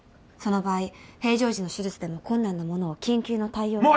その場合平常時の手術でも困難なものを緊急の対応。